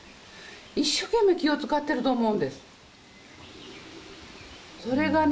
一生懸命気をつかってると思うんですそれがね